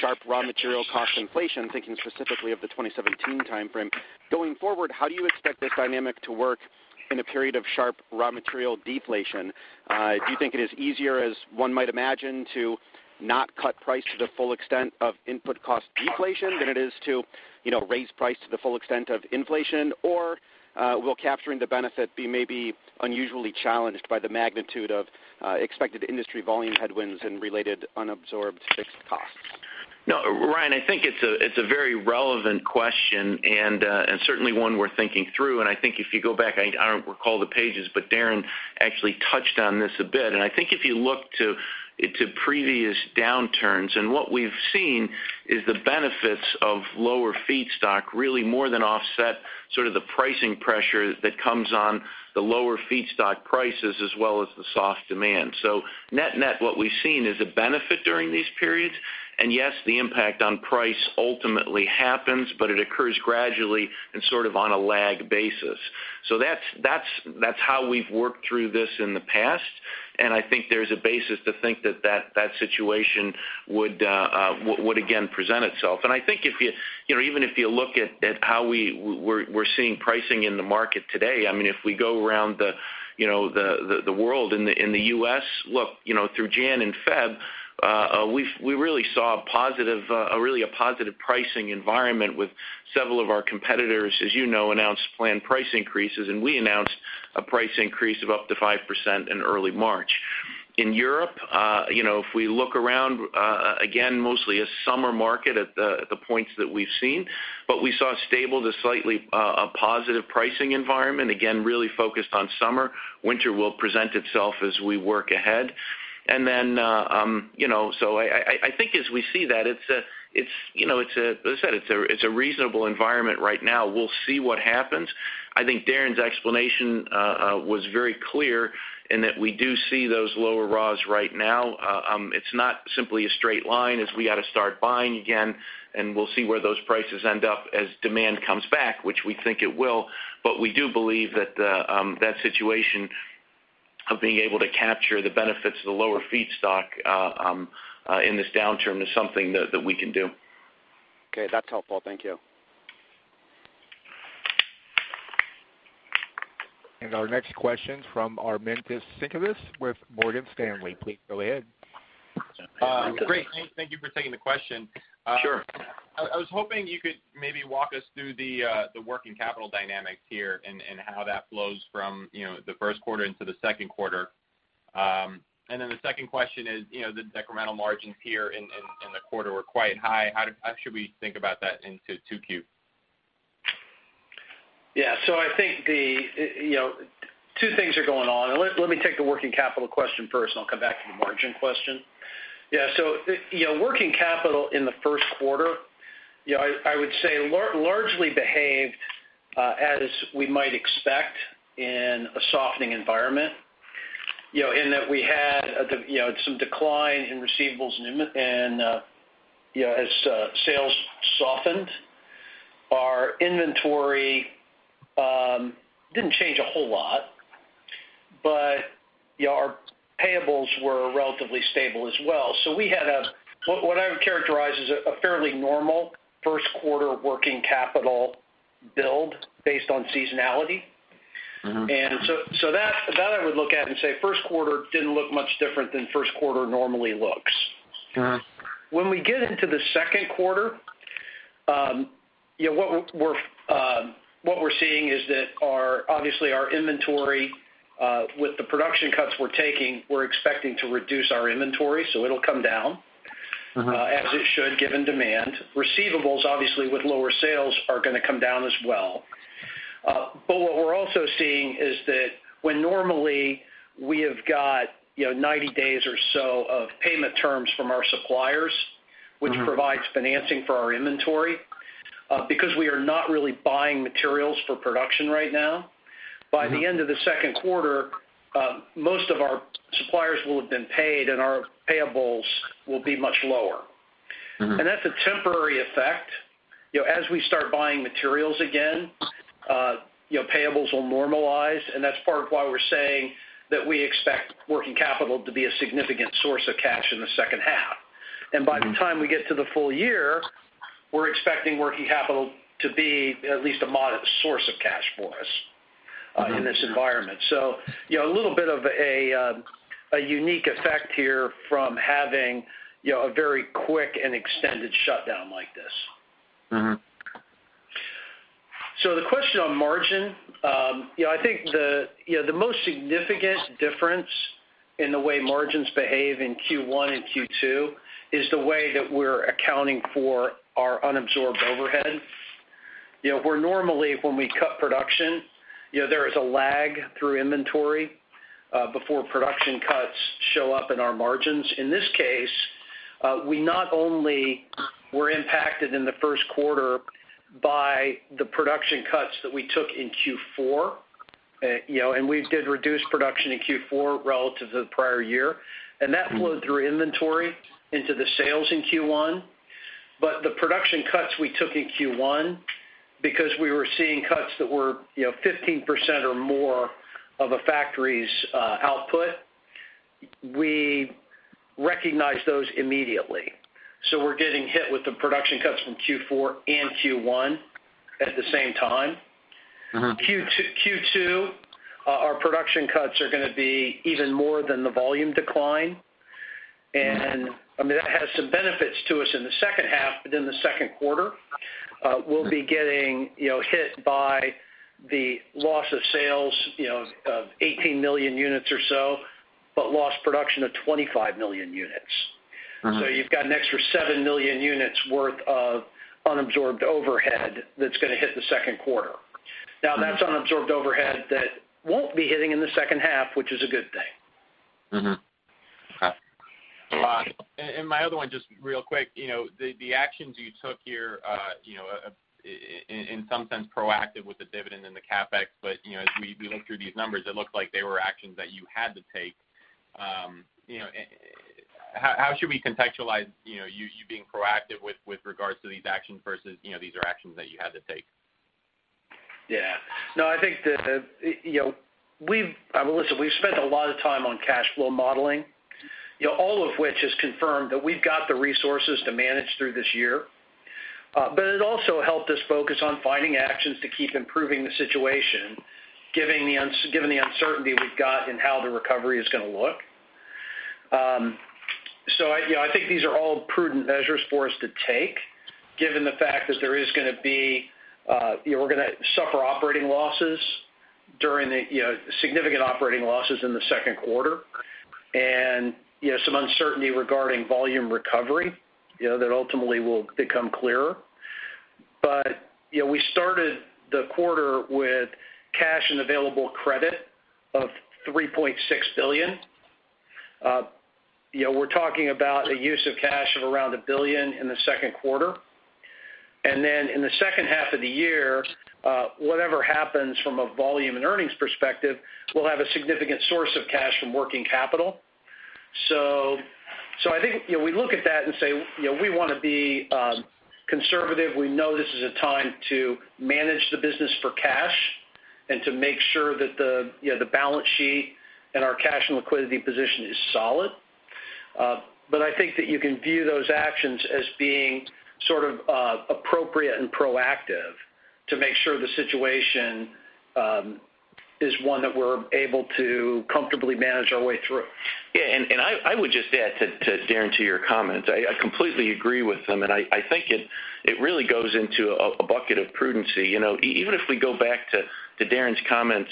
sharp raw material cost inflation, thinking specifically of the 2017 timeframe. Going forward, how do you expect this dynamic to work in a period of sharp raw material deflation? Do you think it is easier, as one might imagine, to not cut price to the full extent of input cost deflation than it is to raise price to the full extent of inflation? Or will capturing the benefit be maybe unusually challenged by the magnitude of expected industry volume headwinds and related unabsorbed fixed costs? No, Ryan, I think it's a very relevant question and certainly one we're thinking through. And I think if you go back, I don't recall the pages, but Darren actually touched on this a bit. And I think if you look to previous downturns, and what we've seen is the benefits of lower feedstock really more than offset sort of the pricing pressure that comes on the lower feedstock prices as well as the soft demand. So net-net, what we've seen is a benefit during these periods. And yes, the impact on price ultimately happens, but it occurs gradually and sort of on a lag basis. So that's how we've worked through this in the past, and I think there's a basis to think that that situation would again present itself. I think even if you look at how we're seeing pricing in the market today, I mean, if we go around the world in the U.S., look, through January and February, we really saw a positive pricing environment with several of our competitors, as you know, announced planned price increases, and we announced a price increase of up to 5% in early March. In Europe, if we look around, again, mostly a summer market at the points that we've seen, but we saw stable to slightly positive pricing environment, again, really focused on summer. Winter will present itself as we work ahead. Then so I think as we see that, it's a, as I said, it's a reasonable environment right now. We'll see what happens. I think Darren's explanation was very clear in that we do see those lower raws right now. It's not simply a straight line as we got to start buying again, and we'll see where those prices end up as demand comes back, which we think it will. But we do believe that that situation of being able to capture the benefits of the lower feedstock in this downturn is something that we can do. Okay. That's helpful. Thank you. And our next question is from Armintas Sinkevicius with Morgan Stanley. Please go ahead. Great. Thank you for taking the question. I was hoping you could maybe walk us through the working capital dynamics here and how that flows from the first quarter into the second quarter. And then the second question is the decremental margins here in the quarter were quite high. How should we think about that into Q2? Yeah. So I think two things are going on. Let me take the working capital question first, and I'll come back to the margin question. Yeah, so working capital in the first quarter, I would say largely behaved as we might expect in a softening environment in that we had some decline in receivables and as sales softened, our inventory didn't change a whole lot, but our payables were relatively stable as well, so we had what I would characterize as a fairly normal first quarter working capital build based on seasonality, and so that I would look at and say first quarter didn't look much different than first quarter normally looks. When we get into the second quarter, what we're seeing is that obviously our inventory with the production cuts we're taking, we're expecting to reduce our inventory, so it'll come down as it should given demand. Receivables, obviously, with lower sales are going to come down as well. But what we're also seeing is that when normally we have got 90 days or so of payment terms from our suppliers, which provides financing for our inventory, because we are not really buying materials for production right now, by the end of the second quarter, most of our suppliers will have been paid, and our payables will be much lower. And that's a temporary effect. As we start buying materials again, payables will normalize, and that's part of why we're saying that we expect working capital to be a significant source of cash in the second half. And by the time we get to the full year, we're expecting working capital to be at least a modest source of cash for us in this environment. So a little bit of a unique effect here from having a very quick and extended shutdown like this. So the question on margin, I think the most significant difference in the way margins behave in Q1 and Q2 is the way that we're accounting for our unabsorbed overhead. Where normally when we cut production, there is a lag through inventory before production cuts show up in our margins. In this case, we not only were impacted in the first quarter by the production cuts that we took in Q4, and we did reduce production in Q4 relative to the prior year, and that flowed through inventory into the sales in Q1. But the production cuts we took in Q1, because we were seeing cuts that were 15% or more of a factory's output, we recognized those immediately. So we're getting hit with the production cuts from Q4 and Q1 at the same time. Q2, our production cuts are going to be even more than the volume decline. And I mean, that has some benefits to us in the second half, but in the second quarter, we'll be getting hit by the loss of sales of 18 million units or so, but lost production of 25 million units. So you've got an extra 7 million units worth of unabsorbed overhead that's going to hit the second quarter. Now, that's unabsorbed overhead that won't be hitting in the second half, which is a good thing. Okay. And my other one, just real quick, the actions you took here in some sense proactive with the dividend and the CapEx, but as we look through these numbers, it looked like they were actions that you had to take. How should we contextualize you being proactive with regards to these actions versus these are actions that you had to take? Yeah. No, I think that we've spent a lot of time on cash flow modeling, all of which has confirmed that we've got the resources to manage through this year. But it also helped us focus on finding actions to keep improving the situation, given the uncertainty we've got in how the recovery is going to look. So I think these are all prudent measures for us to take given the fact that we're going to suffer significant operating losses in the second quarter and some uncertainty regarding volume recovery that ultimately will become clearer. But we started the quarter with cash and available credit of $3.6 billion. We're talking about a use of cash of around $1 billion in the second quarter. And then in the second half of the year, whatever happens from a volume and earnings perspective, we'll have a significant source of cash from working capital. So I think we look at that and say we want to be conservative. We know this is a time to manage the business for cash and to make sure that the balance sheet and our cash and liquidity position is solid. But I think that you can view those actions as being sort of appropriate and proactive to make sure the situation is one that we're able to comfortably manage our way through. Yeah. And I would just add to Darren's comments. I completely agree with them, and I think it really goes into a bucket of prudence. Even if we go back to Darren's comments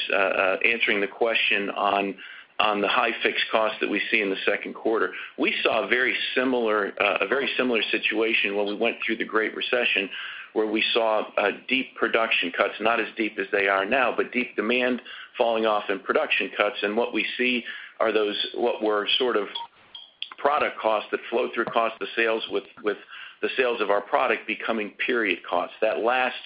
answering the question on the high fixed costs that we see in the second quarter, we saw a very similar situation when we went through the Great Recession where we saw deep production cuts, not as deep as they are now, but deep demand falling off in production cuts. And what we see are those what were sort of product costs that flow through cost of sales with the sales of our product becoming period costs that lasts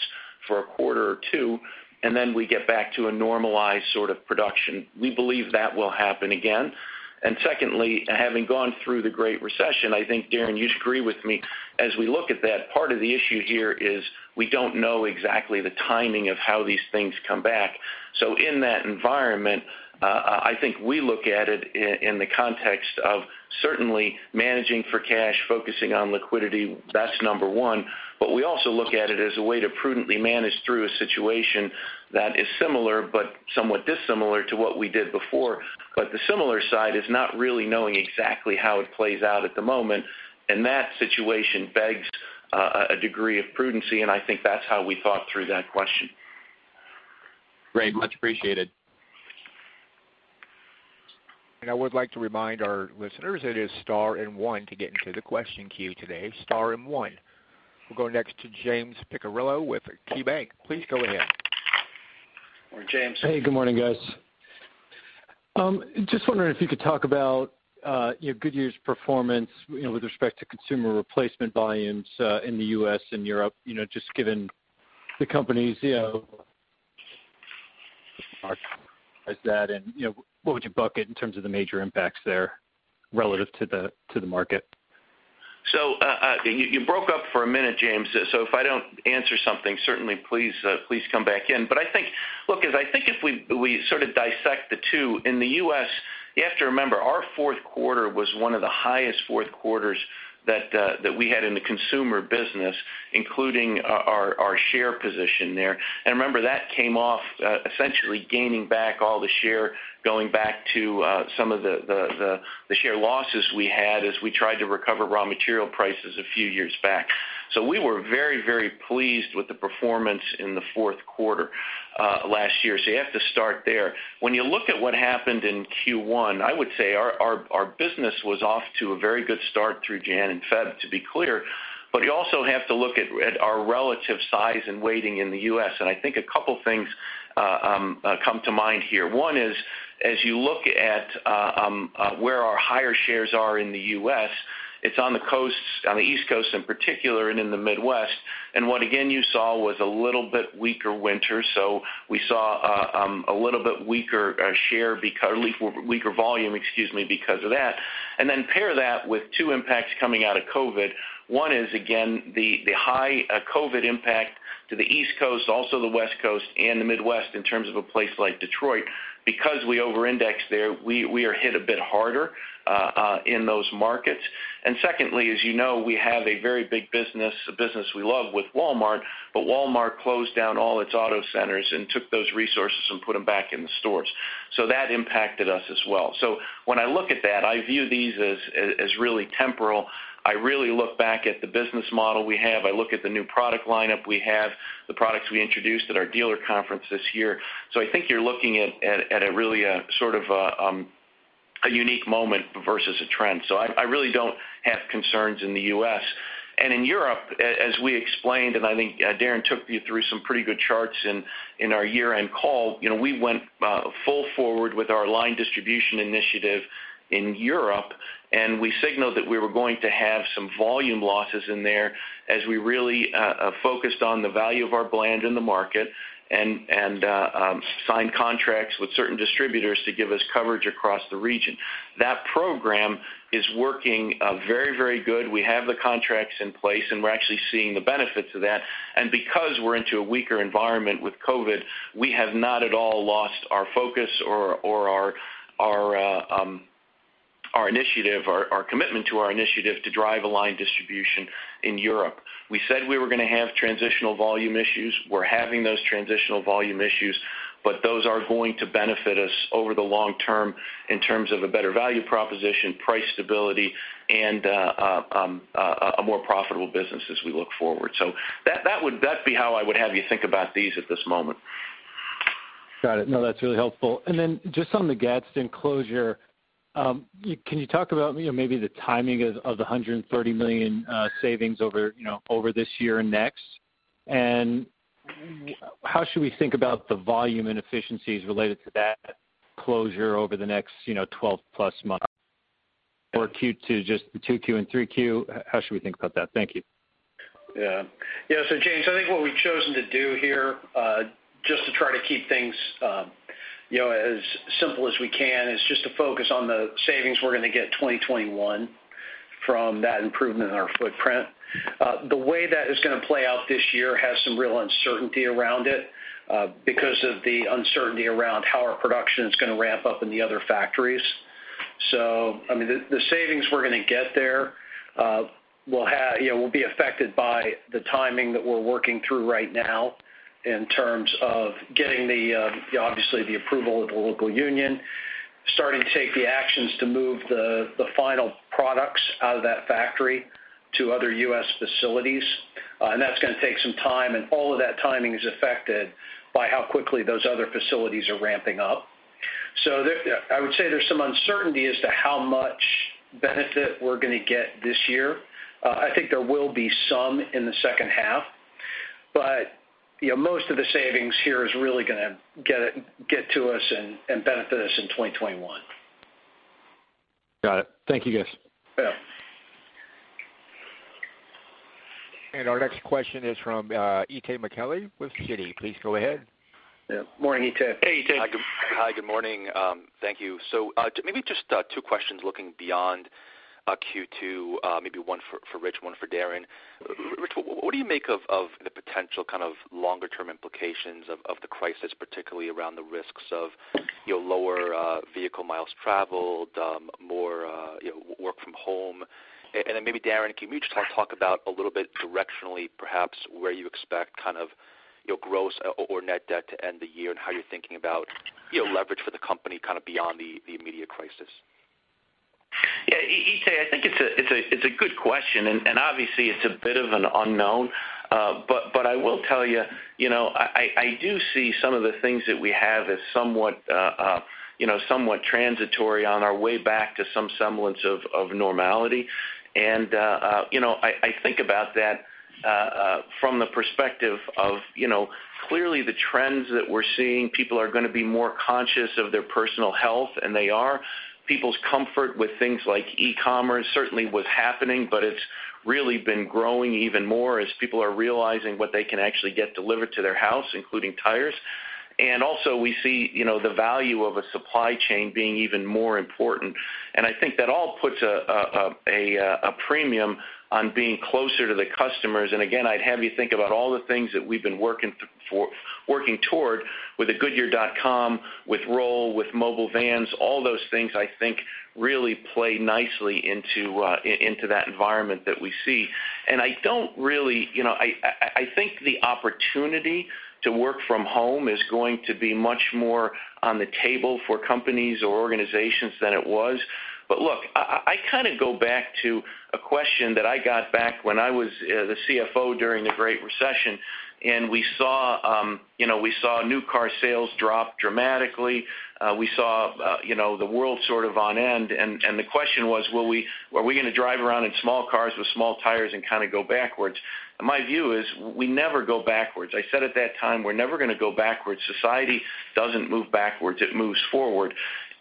for a quarter or two, and then we get back to a normalized sort of production. We believe that will happen again. And secondly, having gone through the Great Recession, I think, Darren, you'd agree with me, as we look at that, part of the issue here is we don't know exactly the timing of how these things come back. So in that environment, I think we look at it in the context of certainly managing for cash, focusing on liquidity. That's number one. But we also look at it as a way to prudently manage through a situation that is similar but somewhat dissimilar to what we did before. But the similar side is not really knowing exactly how it plays out at the moment. And that situation begs a degree of prudency, and I think that's how we thought through that question. Great. Much appreciated. And I would like to remind our listeners it is star and one to get into the question queue today. Star and one. We'll go next to James Picariello with KeyBanc. Please go ahead. Morning, James. Hey, good morning, guys. Just wondering if you could talk about Goodyear's performance with respect to consumer replacement volumes in the U.S. and Europe, just given the company's market share at that. And what would you bucket in terms of the major impacts there relative to the market? So you broke up for a minute, James. So if I don't answer something, certainly please come back in. But I think, look, as I think if we sort of dissect the two, in the U.S., you have to remember our fourth quarter was one of the highest fourth quarters that we had in the consumer business, including our share position there. And remember, that came off essentially gaining back all the share going back to some of the share losses we had as we tried to recover raw material prices a few years back. So we were very, very pleased with the performance in the fourth quarter last year. So you have to start there. When you look at what happened in Q1, I would say our business was off to a very good start through January and February, to be clear. But you also have to look at our relative size and weighting in the U.S. And I think a couple of things come to mind here. One is, as you look at where our higher shares are in the U.S., it's on the coasts, on the East Coast in particular, and in the Midwest. And what again you saw was a little bit weaker winter. So we saw a little bit weaker share or weaker volume, excuse me, because of that. And then pair that with two impacts coming out of COVID. One is, again, the high COVID impact to the East Coast, also the West Coast, and the Midwest in terms of a place like Detroit. Because we over-indexed there, we are hit a bit harder in those markets, and secondly, as you know, we have a very big business, a business we love with Walmart, but Walmart closed down all its auto centers and took those resources and put them back in the stores, so that impacted us as well, so when I look at that, I view these as really temporal. I really look back at the business model we have. I look at the new product lineup we have, the products we introduced at our dealer conference this year, so I think you're looking at really a sort of a unique moment versus a trend, so I really don't have concerns in the U.S.. In Europe, as we explained, and I think Darren took you through some pretty good charts in our year-end call, we went full forward with our aligned distribution initiative in Europe. We signaled that we were going to have some volume losses in there as we really focused on the value of our brand in the market and signed contracts with certain distributors to give us coverage across the region. That program is working very, very good. We have the contracts in place, and we're actually seeing the benefits of that. Because we're into a weaker environment with COVID, we have not at all lost our focus or our initiative, our commitment to our initiative to drive aligned distribution in Europe. We said we were going to have transitional volume issues. We're having those transitional volume issues, but those are going to benefit us over the long term in terms of a better value proposition, price stability, and a more profitable business as we look forward. So that would be how I would have you think about these at this moment. Got it. No, that's really helpful. And then just on the Gadsden closure, can you talk about maybe the timing of the $130 million savings over this year and next? And how should we think about the volume and efficiencies related to that closure over the next 12+ months? Or Q2, just the 2Q and 3Q? How should we think about that? Thank you. Yeah. Yeah. So, James, I think what we've chosen to do here just to try to keep things as simple as we can is just to focus on the savings we're going to get 2021 from that improvement in our footprint. The way that is going to play out this year has some real uncertainty around it because of the uncertainty around how our production is going to ramp up in the other factories. So, I mean, the savings we're going to get there will be affected by the timing that we're working through right now in terms of getting the, obviously, the approval of the local union, starting to take the actions to move the final products out of that factory to other U.S. facilities. And that's going to take some time. And all of that timing is affected by how quickly those other facilities are ramping up. So I would say there's some uncertainty as to how much benefit we're going to get this year. I think there will be some in the second half. But most of the savings here is really going to get to us and benefit us in 2021. Got it. Thank you, guys. And our next question is from Itay Michaeli with Citi. Please go ahead. Yeah. Morning, Itay. Hey, Itay. Hi. Good morning. Thank you. So maybe just two questions looking beyond Q2, maybe one for Rich, one for Darren. Rich, what do you make of the potential kind of longer-term implications of the crisis, particularly around the risks of lower vehicle miles traveled, more work from home? And then maybe, Darren, can you just talk about a little bit directionally, perhaps, where you expect kind of gross or net debt to end the year and how you're thinking about leverage for the company kind of beyond the immediate crisis? Yeah. Itay, I think it's a good question. And obviously, it's a bit of an unknown. But I will tell you, I do see some of the things that we have as somewhat transitory on our way back to some semblance of normality. And I think about that from the perspective of clearly the trends that we're seeing. People are going to be more conscious of their personal health, and they are. People's comfort with things like e-commerce certainly was happening, but it's really been growing even more as people are realizing what they can actually get delivered to their house, including tires. We also see the value of a supply chain being even more important. I think that all puts a premium on being closer to the customers. Again, I'd have you think about all the things that we've been working toward with the goodyear.com, with Roll, with mobile vans. All those things I think really play nicely into that environment that we see. I don't really think the opportunity to work from home is going to be much more on the table for companies or organizations than it was. Look, I kind of go back to a question that I got back when I was the CFO during the Great Recession. We saw new car sales drop dramatically. We saw the world sort of on end. The question was, are we going to drive around in small cars with small tires and kind of go backwards? My view is we never go backwards. I said at that time, we're never going to go backwards. Society doesn't move backwards. It moves forward.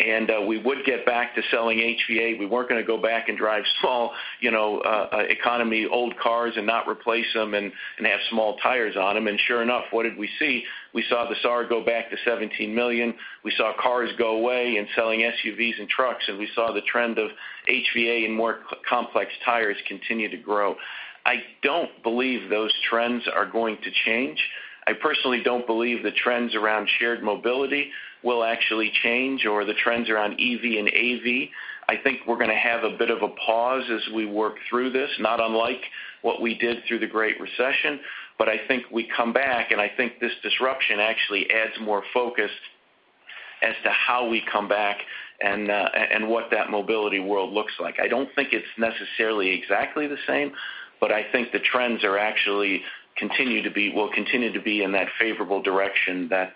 And we would get back to selling HVA. We weren't going to go back and drive small economy old cars and not replace them and have small tires on them. And sure enough, what did we see? We saw the SAAR go back to 17 million. We saw cars go away and selling SUVs and trucks. And we saw the trend of HVA and more complex tires continue to grow. I don't believe those trends are going to change. I personally don't believe the trends around shared mobility will actually change or the trends around EV and AV. I think we're going to have a bit of a pause as we work through this, not unlike what we did through the Great Recession, but I think we come back, and I think this disruption actually adds more focus as to how we come back and what that mobility world looks like. I don't think it's necessarily exactly the same, but I think the trends actually will continue to be in that favorable direction that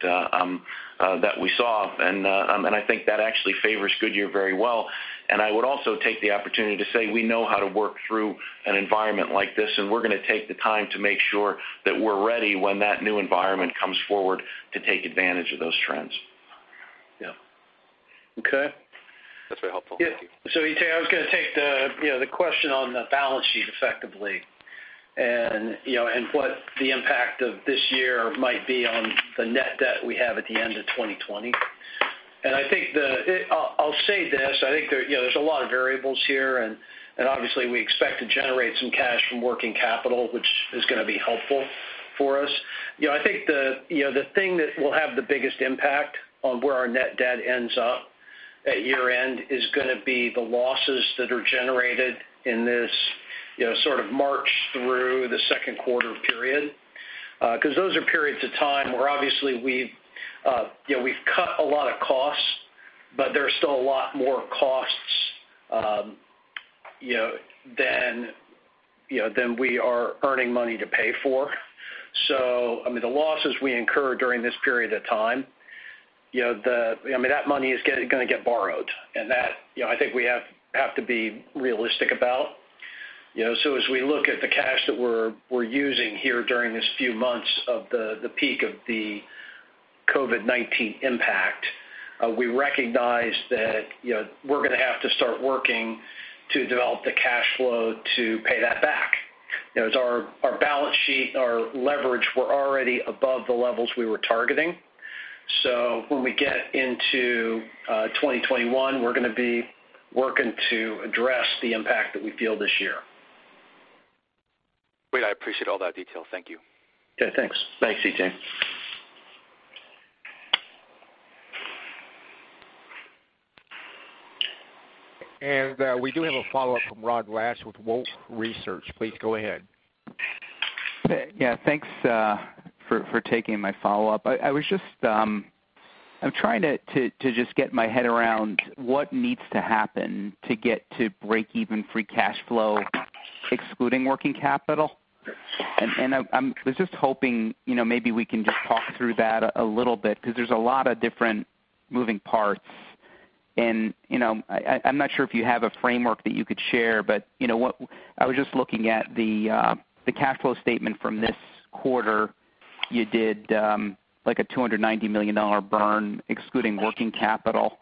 we saw, and I think that actually favors Goodyear very well. I would also take the opportunity to say we know how to work through an environment like this, and we're going to take the time to make sure that we're ready when that new environment comes forward to take advantage of those trends. Yeah. Okay. That's very helpful. Thank you. Itay, I was going to take the question on the balance sheet effectively and what the impact of this year might be on the net debt we have at the end of 2020. I think I'll say this. I think there's a lot of variables here. Obviously, we expect to generate some cash from working capital, which is going to be helpful for us. I think the thing that will have the biggest impact on where our net debt ends up at year-end is going to be the losses that are generated in this sort of March through the second quarter period because those are periods of time where obviously we've cut a lot of costs, but there are still a lot more costs than we are earning money to pay for. So I mean, the losses we incur during this period of time, I mean, that money is going to get borrowed. And that I think we have to be realistic about. So as we look at the cash that we're using here during this few months of the peak of the COVID-19 impact, we recognize that we're going to have to start working to develop the cash flow to pay that back. Our balance sheet, our leverage, we're already above the levels we were targeting. So when we get into 2021, we're going to be working to address the impact that we feel this year. Great. I appreciate all that detail. Thank you. Okay. Thanks. Thanks, Itay. And we do have a follow-up from Rod Lache with Wolfe Research. Please go ahead. Yeah. Thanks for taking my follow-up. I'm trying to just get my head around what needs to happen to get to break-even free cash flow, excluding working capital. I was just hoping maybe we can just talk through that a little bit because there's a lot of different moving parts. I'm not sure if you have a framework that you could share, but I was just looking at the cash flow statement from this quarter. You did like a $290 million burn, excluding working capital.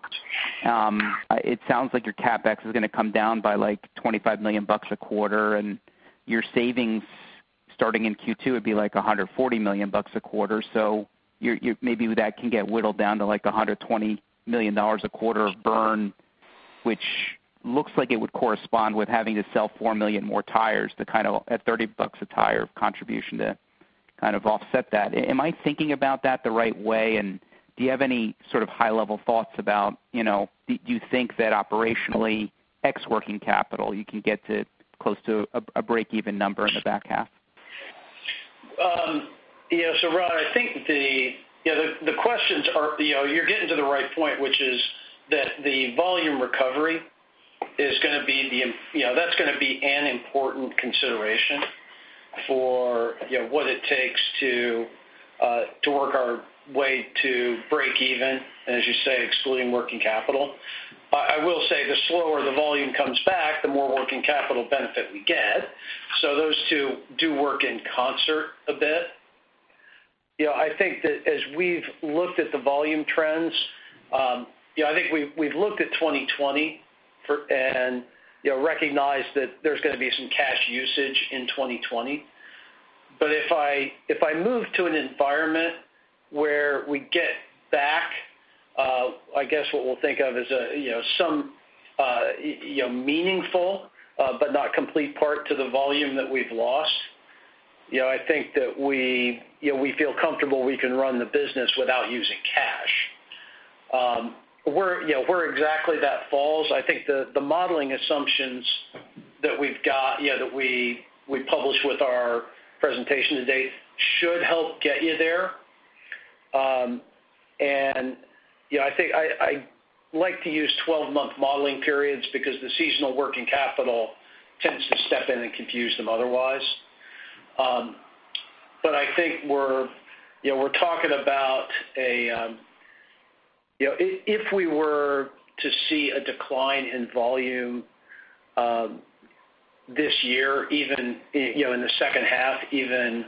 It sounds like your CapEx is going to come down by like $25 million a quarter. Your savings starting in Q2 would be like $140 million a quarter. So maybe that can get whittled down to like $120 million a quarter burn, which looks like it would correspond with having to sell four million more tires to kind of at $30 a tire of contribution to kind of offset that. Am I thinking about that the right way? And do you have any sort of high-level thoughts about do you think that operationally ex working capital, you can get to close to a break-even number in the back half? Yeah. So Rod, I think the questions are you're getting to the right point, which is that the volume recovery is going to be. That's going to be an important consideration for what it takes to work our way to break-even, as you say, excluding working capital. I will say the slower the volume comes back, the more working capital benefit we get. So those two do work in concert a bit. I think that as we've looked at the volume trends, I think we've looked at 2020 and recognized that there's going to be some cash usage in 2020. But if I move to an environment where we get back, I guess what we'll think of as some meaningful but not complete part of the volume that we've lost, I think that we feel comfortable we can run the business without using cash. Where exactly that falls, I think the modeling assumptions that we've got that we published with our presentation today should help get you there. And I think I like to use 12-month modeling periods because the seasonal working capital tends to step in and confuse them otherwise. But I think we're talking about, if we were to see a decline in volume this year, even in the second half, even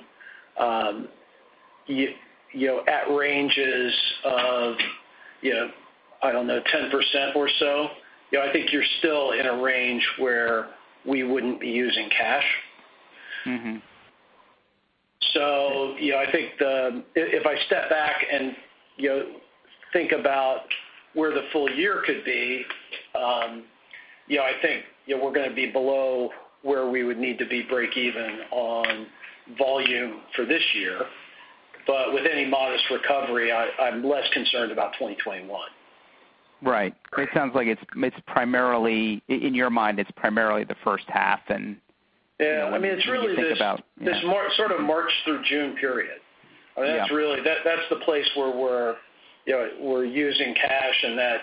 at ranges of, I don't know, 10% or so, I think you're still in a range where we wouldn't be using cash. So I think if I step back and think about where the full year could be, I think we're going to be below where we would need to be break-even on volume for this year. But with any modest recovery, I'm less concerned about 2021. Right. It sounds like it's primarily in your mind; it's primarily the first half and what you think about. Yeah. I mean, it's really this sort of March through June period. I mean, that's really the place where we're using cash and that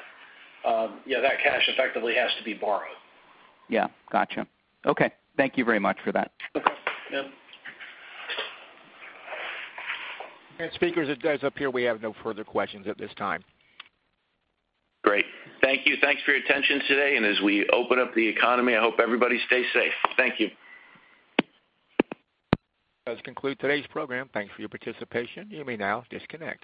cash effectively has to be borrowed. Yeah. Gotcha. Okay. Thank you very much for that. Okay. Yeah. And as we wrap up here, we have no further questions at this time. Great. Thank you. Thanks for your attention today. And as we open up the economy, I hope everybody stays safe. Thank you. As we conclude today's program, thanks for your participation. You may now disconnect.